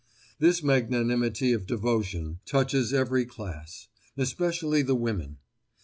This magnanimity of devotion, touches every class—especially the women.